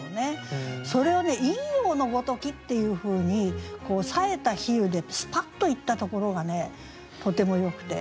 それを「陰陽のごとき」っていうふうにさえた比喩でスパッといったところがとてもよくて。